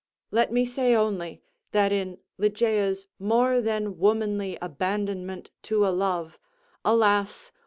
Let me say only, that in Ligeia's more than womanly abandonment to a love, alas!